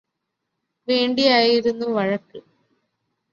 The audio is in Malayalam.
വേണ്ടിയായിരുന്നു വഴക്ക്